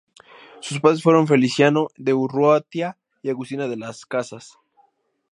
Sus padres fueron Feliciano de Urrutia y Agustina de las Casas.